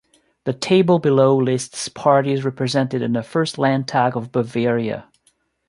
The table below lists parties represented in the First Landtag of Bavaria.